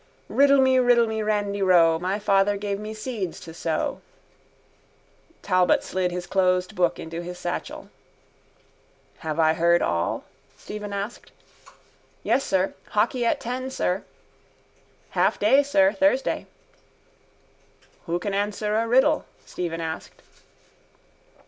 Riddle me, riddle me, randy ro. My father gave me seeds to sow. Talbot slid his closed book into his satchel. —Have I heard all? Stephen asked. —Yes, sir. Hockey at ten, sir. —Half day, sir. Thursday. —Who can answer a riddle? Stephen asked.